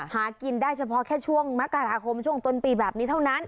หากินได้เฉพาะแค่ช่วงมกราคมช่วงต้นปีแบบนี้เท่านั้น